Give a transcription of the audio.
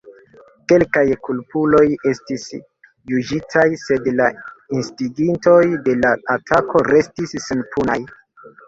Kelkaj kulpuloj estis juĝitaj, sed la instigintoj de la atako restis senpunaj.